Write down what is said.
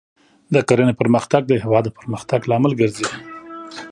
د کرنې پرمختګ د هېواد د پرمختګ لامل ګرځي.